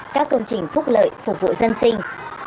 các công trình phúc lợi phục vụ dân sinh